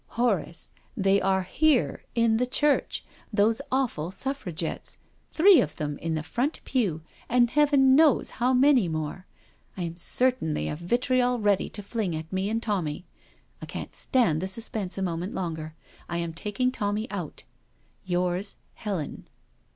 " Horace— they are here— in the church. Those awful Suffragettes. Three of them in the front pew and Heaven knows how many more. I am certain they have vitriol ready to fling at me and Tommy. I can't stand the suspense a moment longer— am taking Tommy out.— Yrs. Helen.'